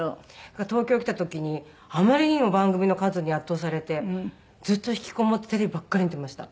東京に来た時にあまりにも番組の数に圧倒されてずっと引きこもってテレビばっかり見てました。